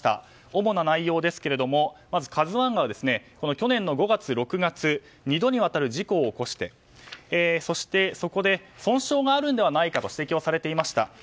主な内容ですけれども「ＫＡＺＵ１」が去年の５月、６月２度にわたる事故を起こしてそして、そこで損傷があるのではないかと指摘をされていました。